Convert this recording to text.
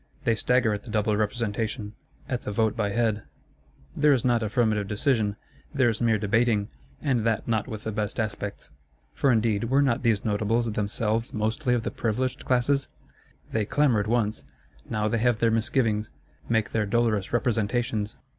They stagger at the Double Representation, at the Vote by Head: there is not affirmative decision; there is mere debating, and that not with the best aspects. For, indeed, were not these Notables themselves mostly of the Privileged Classes? They clamoured once; now they have their misgivings; make their dolorous representations.